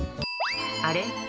あれ？